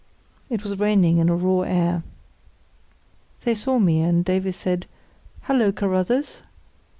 It was raining in a raw air. They saw me, and Davies said: "Hullo, Carruthers!